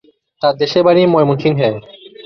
তার দেশের বাড়ি ময়মনসিংহে।